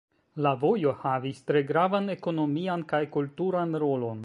La vojo havis tre gravan ekonomian kaj kulturan rolon.